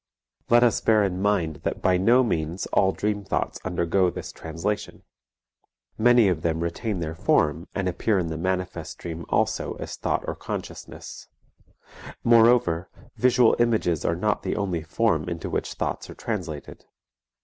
Let us bear in mind that by no means all dream thoughts undergo this translation; many of them retain their form and appear in the manifest dream also as thought or consciousness; moreover, visual images are not the only form into which thoughts are translated.